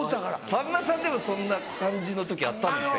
さんまさんでもそんな感じの時あったんですね。